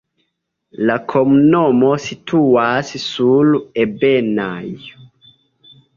La komunumo situas sur ebenaĵo.